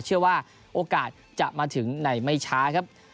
เชื่อว่าโอกาสจะมาถึงในไม่ช้าครับ